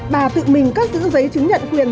bà tự mình cất giữ giấy chứng nhận quyền